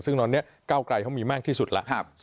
ซึ่งตอนนี้ก้าวไกลเขามีมากที่สุดแล้ว